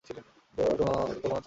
তোমার তো কোনো চাকা নেই!